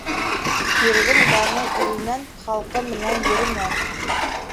Ирҙең даны иленән, халҡы менән еренән.